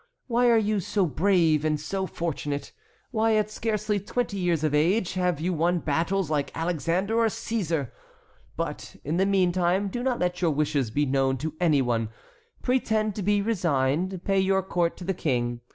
Why are you so brave and so fortunate? Why, at scarcely twenty years of age, have you won battles like Alexander or Cæsar? But, in the meantime, do not let your wishes be known to any one; pretend to be resigned, pay your court to the King.